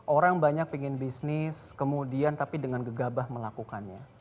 orang banyak ingin bisnis kemudian tapi dengan gegabah melakukannya